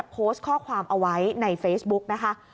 โพสต์ข้อความเอาไว้ในเฟซบุ๊กนะคะ